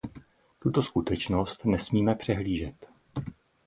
Tuto skutečnost nesmíme přehlížet.